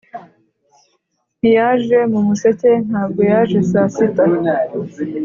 ntiyaje mu museke; ntabwo yaje saa sita;